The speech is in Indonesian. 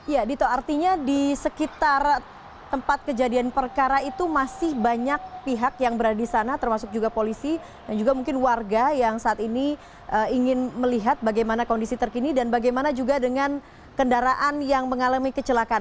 ya dito artinya di sekitar tempat kejadian perkara itu masih banyak pihak yang berada di sana termasuk juga polisi dan juga mungkin warga yang saat ini ingin melihat bagaimana kondisi terkini dan bagaimana juga dengan kendaraan yang mengalami kecelakaan